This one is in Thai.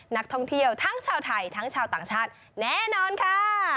นักท่องเที่ยวทั้งชาวไทยทั้งชาวต่างชาติแน่นอนค่ะ